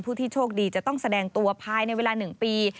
ผู้ที่โชคดีจะต้องแสดงตัวภายในเวลา๑ปี